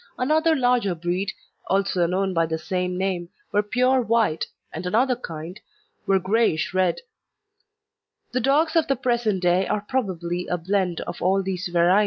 Another larger breed, also known by the same name, were pure white, and another kind were greyish red. The dogs of the present day are probably a blend of all these varieties. [Illustration: BLOODHOUND CH.